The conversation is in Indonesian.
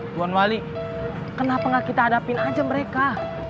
tuan wali kenapa nggak kita hadapin aja mereka